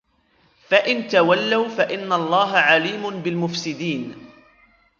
فَإِنْ تَوَلَّوْا فَإِنَّ اللَّهَ عَلِيمٌ بِالْمُفْسِدِينَ